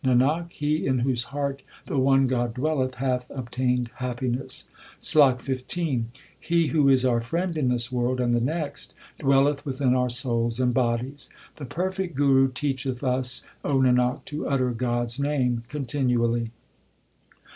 Nanak, he in whose heart the one God dwelleth hath obtained happiness. SLOK XV He who is our friend in this world and the next, dwelleth within our souls and bodies. 176 THE SIKH RELIGION The perfect Guru teacheth us, O Nanak, to utter God s Name continually.